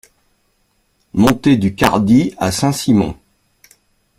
Montée du Cardi à Saint-Simon